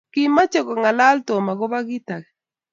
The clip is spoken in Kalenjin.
Kimoche kongalale Tom agobo kit age